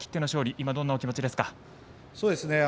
今、どんなお気持ちですか？